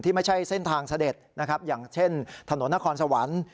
ไม่ใช่เส้นทางเสด็จนะครับอย่างเช่นถนนนครสวรรค์